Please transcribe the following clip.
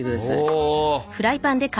お。